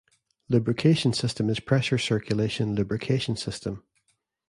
Lubrication system is pressure circulation lubrication system.